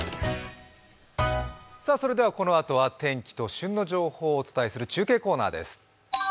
それではこのあとは天気と旬の情報をお伝えする中継コーナーです。